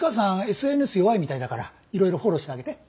ＳＮＳ弱いみたいだからいろいろフォローしてあげて。